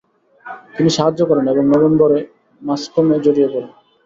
তিনি সাহায্য করেন এবং নভেম্বরে মাস্কমে জড়িয়ে পড়েন।